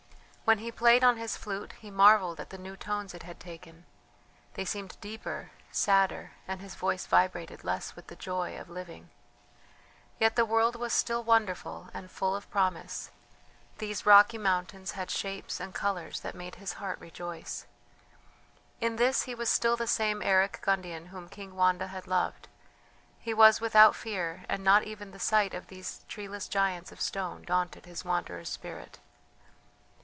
When he played on his flute he marvelled at the new tones it had taken; they seemed deeper, sadder, and his voice vibrated less with the joy of living. Yet the world was still wonderful and full of promise; these rocky mountains had shapes and colours that made his heart rejoice. In this he was still the same Eric Gundian whom King Wanda had loved: he was without fear, and not even the sight of these treeless giants of stone daunted his wanderer's spirit.